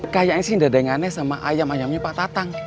kayaknya sih gak ada yang aneh sama ayam ayamnya pak tatang